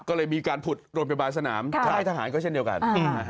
ก็เลยมีการผุดโรงพยาบาลสนามค่ายทหารก็เช่นเดียวกัน